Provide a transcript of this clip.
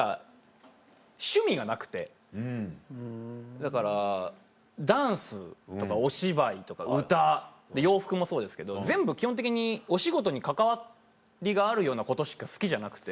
だからダンスとかお芝居とか歌洋服もそうですけど全部基本的にお仕事に関わりがあるようなことしか好きじゃなくて。